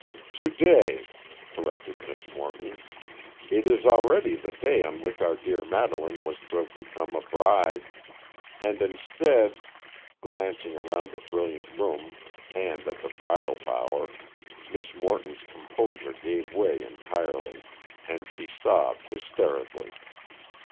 "To day," corrected Miss Morton. "It is already the day on which our dear Madeleine was to have become a bride. And instead——" Glancing around the brilliant room and at the bridal bower, Miss Morton's composure gave way entirely, and she sobbed hysterically.